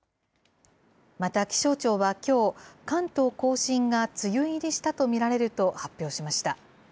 また気象庁はきょう、関東甲信が梅雨入りしたと見られると発表しました。